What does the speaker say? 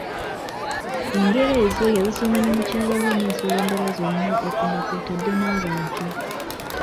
Engero ezo yazisoma ne mukyala we n'ensolo endala zonna okwo nga kw'otadde n'abantu.